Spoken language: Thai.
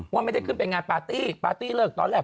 ว่าไม่ได้ขึ้นไปงานปาร์ตี้ปาร์ตี้เลิกตอนแรก